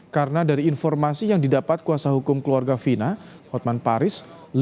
karena dari informasi yang didapat kuasa hukum keluarga vina hotman paris